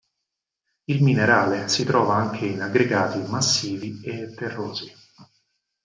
Il minerale si trova anche in aggregati massivi e terrosi.